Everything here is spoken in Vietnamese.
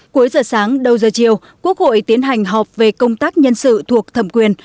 cuối giờ sáng đầu giờ chiều quốc hội tiến hành họp về công tác nhân sự thuộc thẩm quyền